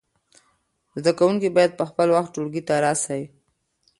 زده کوونکي باید په خپل وخت ټولګي ته راسی.